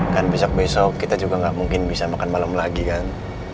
kan besok besok kita juga nggak mungkin bisa makan malam lagi kan